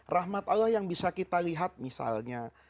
rahmat allah yang bisa kita lihat misalnya